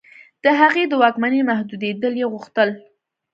د هغې د واکونو محدودېدل یې غوښتل.